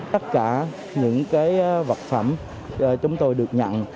tất cả những cái vật phẩm chúng tôi được nhận